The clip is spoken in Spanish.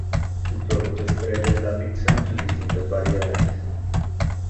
El producto estrella es la pizza en sus distintas variedades.